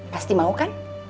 pasti mau kan